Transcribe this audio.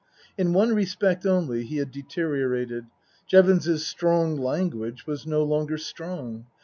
In one respect only he had deteriorated. Jevons's strong language was no longer strong.